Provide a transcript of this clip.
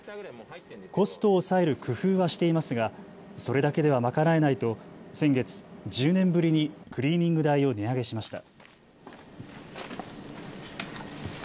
コストを抑える工夫はしていますがそれだけでは賄えないと先月、１０年ぶりにクリーニング代を値上げしました。